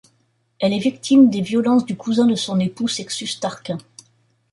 Elle est victime des violences du cousin de son époux, Sextus Tarquin.